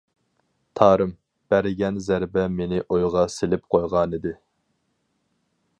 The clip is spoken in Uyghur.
«تارىم» بەرگەن زەربە مېنى ئويغا سېلىپ قويغانىدى.